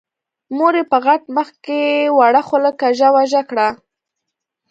مور يې په غټ مخ کې وړه خوله کږه وږه کړه.